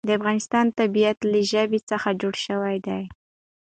د افغانستان طبیعت له ژبې څخه جوړ شوی دی.